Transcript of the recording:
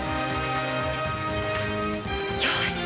よし！